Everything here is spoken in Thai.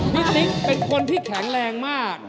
ติ๊กเป็นคนที่แข็งแรงมาก